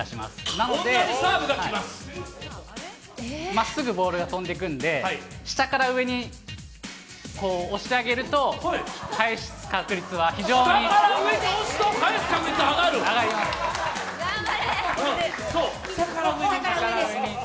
なので、まっすぐボールが飛んでいくので、下から上に押してあげると返す確率は非常に上がります。